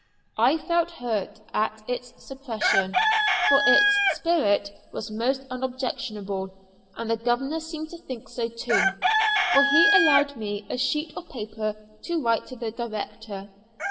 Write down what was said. I felt hurt at its suppression, for its spirit was most unobjectionable; and the governor seemed to think so too, for he allowed me a sheet of paper to write to the director.